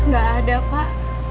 gak ada pak